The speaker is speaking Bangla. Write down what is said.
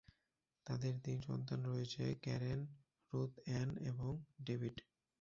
তাদের তিন সন্তান রয়েছে: ক্যারেন, রূৎ অ্যান এবং ডেভিড।